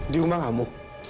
di rumah kamu